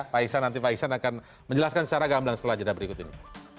pak isan nanti pak isan akan menjelaskan secara gambar setelah jeda berikut ini